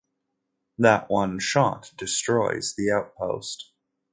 That one shot destroys the outpost.